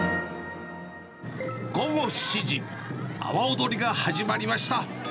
午後７時、阿波踊りが始まりました。